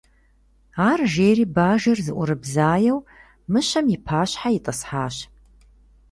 Ар жери бажэр зыӏурыбзаеу мыщэм и пащхьэ итӏысхьащ.